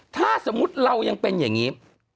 ถ้าสมมุติเรายังเป็นอย่างนี้